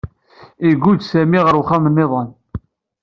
Iguǧǧ Sami ɣer uxxam niḍen.